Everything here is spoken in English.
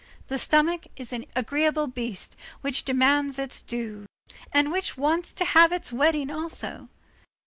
the stomach is an agreeable beast which demands its due, and which wants to have its wedding also.